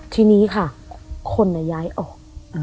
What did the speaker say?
ทีนี้ค่ะคนย้ายออก